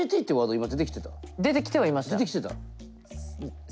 結局出てきてた？